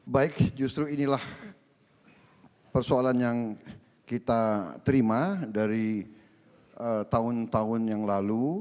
baik justru inilah persoalan yang kita terima dari tahun tahun yang lalu